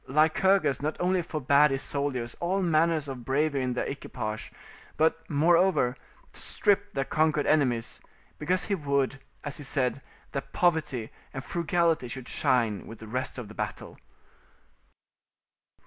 Lycurgus not only forbad his soldiers all manner of bravery in their equipage, but, moreover, to strip their conquered enemies, because he would, as he said, that poverty and frugality should shine with the rest of the battle.